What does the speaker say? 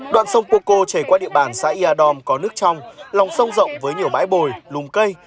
đoạn sông poco chảy qua địa bàn xã ia dom có nước trong lòng sông rộng với nhiều bãi bồi lùm cây